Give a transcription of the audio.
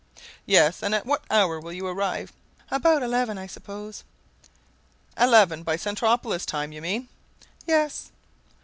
"Yes; and at what hour will you arrive?" "About eleven, I suppose." "Eleven by Centropolis time, you mean?" "Yes."